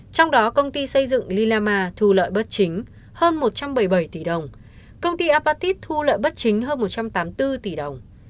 trong đó công ty xây dựng lilama thu lợi bất chính hơn một trăm bảy mươi bảy tỷ đồng công ty apatit thu lợi bất chính hơn một trăm tám mươi bốn tỷ đồng